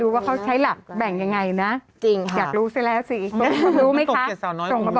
ถูกรู้ไหมครับตรงนึงอยู่ภาคกลางตรงเกียรติสาวน้อย